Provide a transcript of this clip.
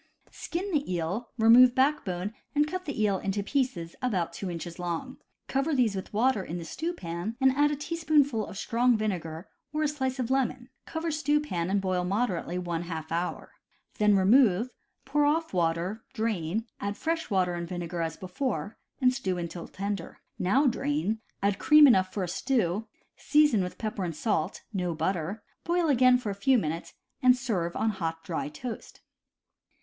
— Skin the eel, remove backbone and cut the eel into pieces about two inches long; cover these with water in the stew pan, and add a teaspoonful of strong vinegar or a slice of lemon, cover stew pan and boil moderately one half hour. Then remove, pour off water, drain, add fresh water and vinegar as before, and stew until tender. Now drain, add cream enough for a stew, season with pepper and salt (no butter), boil again for a few minutes, and serve on hot, dry toast.